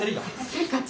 せっかち。